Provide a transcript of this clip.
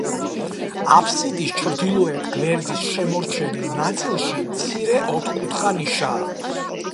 აფსიდის ჩრდილოეთ გვერდის შემორჩენილ ნაწილში მცირე ოთხკუთხა ნიშაა.